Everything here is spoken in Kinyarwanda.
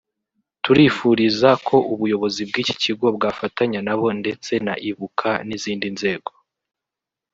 Turifuza ko ubuyobozi bw’iki kigo bwafatanya na bo ndetse na Ibuka n’izindi nzego